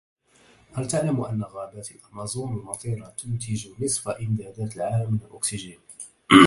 هل تعلم أن غابات الأمازون المطيرة تنتج نصف إمدادات العالم من الأكسجين.